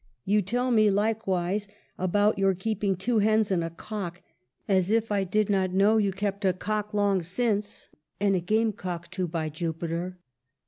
You tell me like wise about your keeping two hens and a cock, as if I did not know you kept a cock long since, and a game cock too, by Jupiter!